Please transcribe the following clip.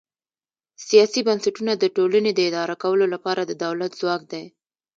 سیاسي بنسټونه د ټولنې د اداره کولو لپاره د دولت ځواک دی.